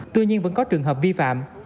tuy nhiên vẫn có trường hợp vi phạm